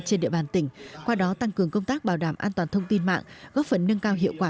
trên địa bàn tỉnh qua đó tăng cường công tác bảo đảm an toàn thông tin mạng góp phần nâng cao hiệu quả